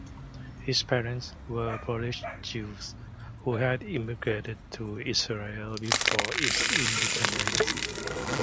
His parents were Polish Jews who had immigrated to Israel before its independence.